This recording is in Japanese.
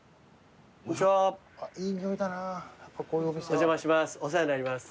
お邪魔します